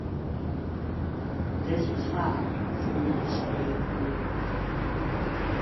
This was followed by three straight birdies.